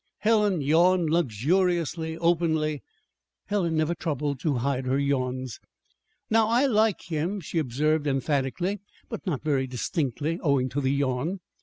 Helen yawned luxuriously, openly Helen never troubled to hide her yawns. "Now I like him," she observed emphatically, but not very distinctly (owing to the yawn).